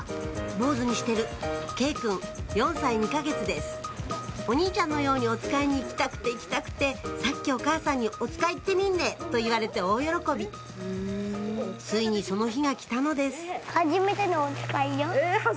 坊ずにしてるお兄ちゃんのようにおつかいに行きたくて行きたくてさっきお母さんに「おつかい行ってみんね」と言われて大喜びついにその日が来たのですはじめてのおつかいよ。